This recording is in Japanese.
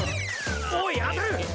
おいあたる！